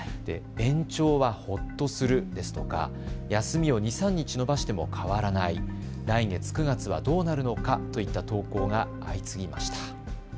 延長はほっとするですとか休みを２、３日のばしても変わらない、来月９月はどうなるのかといった投稿が相次ぎました。